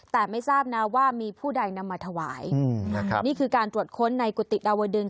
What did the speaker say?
แต่ไม่ทราบนะว่ามีผู้ใดนำมาถวายนี่คือการตรวจค้นในกุฏิดาวดึง